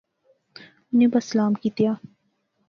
انی بس سلام کیتیا